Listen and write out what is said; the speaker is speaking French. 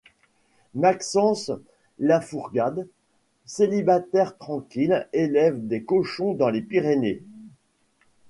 Maxence Lafourcade, célibataire tranquille, élève des cochons dans les Pyrénées.